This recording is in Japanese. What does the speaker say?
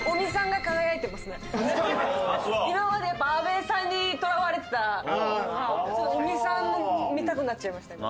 今までやっぱ阿部さんにとらわれてたのがちょっと尾身さんの見たくなっちゃいました今。